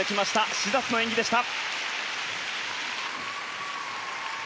シザスの演技でした。